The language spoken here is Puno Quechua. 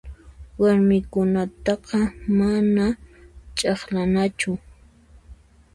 Warmikunataqa mana ch'aqlanachu.